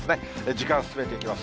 時間進めていきます。